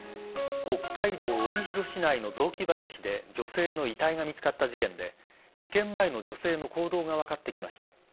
北海道帯広市内の雑木林で女性の遺体が見つかった事件で事件前の女性の行動が分かってきました。